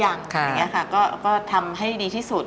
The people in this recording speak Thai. อย่างนี้ค่ะก็ทำให้ดีที่สุด